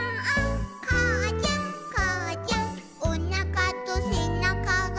「かあちゃんかあちゃん」「おなかとせなかが」